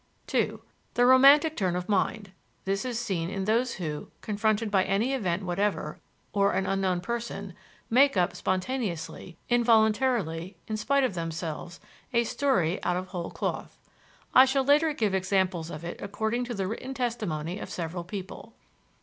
(2) The romantic turn of mind. This is seen in those who, confronted by any event whatever or an unknown person, make up, spontaneously, involuntarily, in spite of themselves, a story out of whole cloth. I shall later give examples of it according to the written testimony of several people.